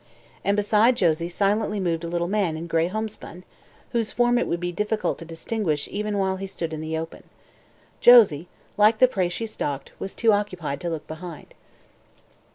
And behind Josie silently moved a little man in gray homespun, whose form it would be difficult to distinguish even while he stood in the open. Josie, like the prey she stalked, was too occupied to look behind.